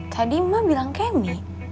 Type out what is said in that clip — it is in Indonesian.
tadi ma bilang kemi